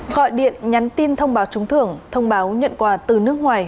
gọi điện nhắn tin thông báo trúng thưởng thông báo nhận quà từ nước ngoài